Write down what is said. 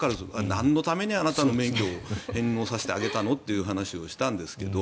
なんのためにあなたの免許を返納させてあげたのという話をしたんですが。